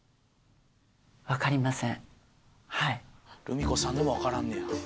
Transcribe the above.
ルミ子さんでもわからんねや。